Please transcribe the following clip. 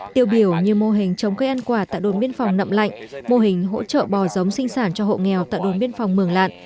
tiêu biểu như mô hình chống cây ăn quả tại đồn biên phòng nậm lạnh mô hình hỗ trợ bò giống sinh sản cho hộ nghèo tại đồn biên phòng mường lạn